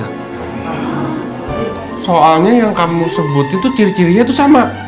ya soalnya yang kamu sebutin tuh ciri cirinya tuh sama